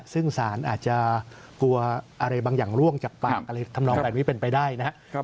ซึ่งสารอาจจะกลัวอะไรบางอย่างร่วงจากปากอะไรทำนองแบบนี้เป็นไปได้นะครับ